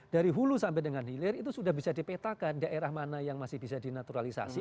dari hulu sampai dengan hilir itu sudah bisa dipetakan daerah mana yang masih bisa dinaturalisasi